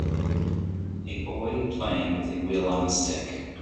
A boy playing with a wheel on a stick